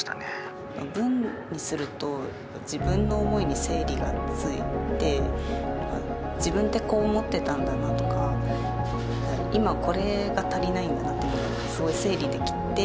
文にすると自分の思いに整理がついて自分ってこう思ってたんだなとか今これが足りないんだなというのがすごい整理できて。